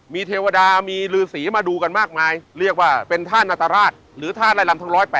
มีเทวดามีลือสีมาดูกันมากมายเรียกว่าเป็นท่านาตราชหรือท่าไล่ลำทั้ง๑๐๘